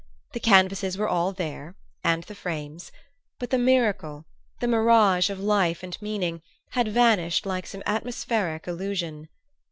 The canvases were all there and the frames but the miracle, the mirage of life and meaning, had vanished like some atmospheric illusion.